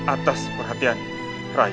atas perhatian rai